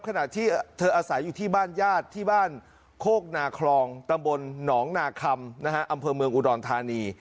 ขณะที่เธออาศัยอยู่ที่บ้านญาติที่บ้านโคกนาคลองตำบลหนองนาคำอำเภอเมืองอุดรธานี